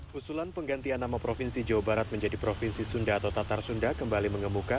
usulan penggantian nama provinsi jawa barat menjadi provinsi sunda atau tatar sunda kembali mengemuka